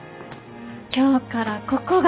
今日からここが。